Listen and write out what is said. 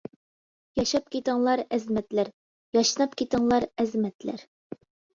ياشاپ كىتىڭلار ئەزىمەتلەر، ياشناپ كىتىڭلار ئەزىمەتلەر!